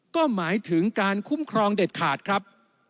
ก็หมายถึงการคุ้มครองเด็ดขาดครับ